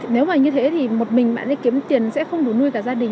nếu như thế thì một mình bạn ấy kiếm tiền sẽ không đủ nuôi cả gia đình